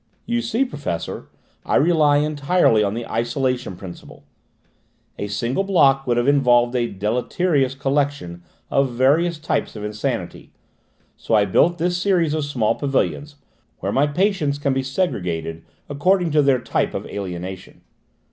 "You see, Professor, I rely entirely on the isolation principle. A single block would have involved a deleterious collocation of various types of insanity, so I built this series of small pavilions, where my patients can be segregated according to their type of alienation.